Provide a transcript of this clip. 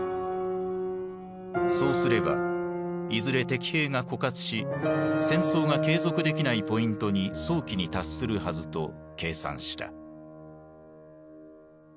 そうすればいずれ敵兵が枯渇し戦争が継続できないポイントに早期に達するはずと計算した。